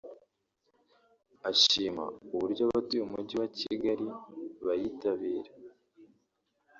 ashima uburyo abatuye umujyi wa Kigali bayitabira